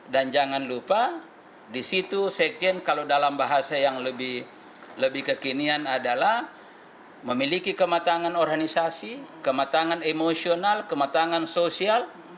dan jangan lupa di situ sekjen kalau dalam bahasa yang lebih kekinian adalah memiliki kematangan organisasi kematangan emosional kematangan sosial